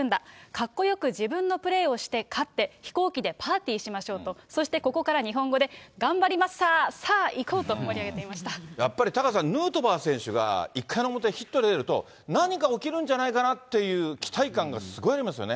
かっこよく自分のプレーをして勝って、飛行機でパーティーしましょうと、そしてここから日本語で、頑張りまっさー、さあ行こうと盛やっぱりタカさん、ヌートバー選手が、１回の表、ヒットで出ると、何か起きるんじゃないかなっていう期待感がすごいありますよね。